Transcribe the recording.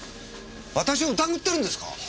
私を疑ってるんですか？